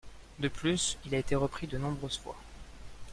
De plus il a été repris de nombreuses fois.